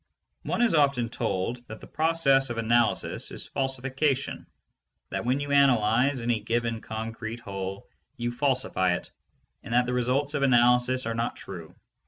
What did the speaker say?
One is often told that the process of analysis is falsification, that when you analyze any given concrete whole you falsify it and that the results of analysis are not true.